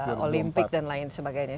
yang akan olympic dan lain sebagainya